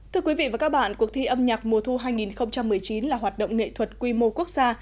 thưa quý vị và các bạn cuộc thi âm nhạc mùa thu hai nghìn một mươi chín là hoạt động nghệ thuật quy mô quốc gia